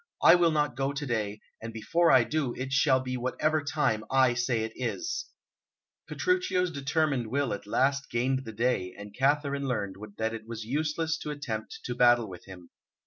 I will not go to day, and before I do, it shall be whatever time I say it is." Petruchio's determined will at last gained the day, and Katharine learned that it was useless to attempt to battle with him.